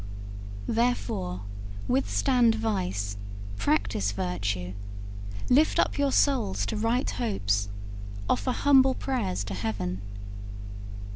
Therefore, withstand vice, practise virtue, lift up your souls to right hopes, offer humble prayers to Heaven.